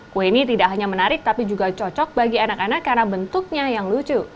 kue ini tidak hanya menarik tapi juga cocok bagi anak anak karena bentuknya yang lucu